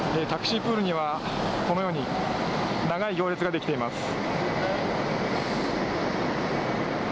タクシープールにはこのように長い行列ができています。